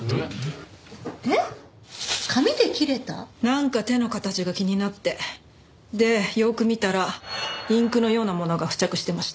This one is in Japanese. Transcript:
なんか手の形が気になってでよく見たらインクのようなものが付着していました。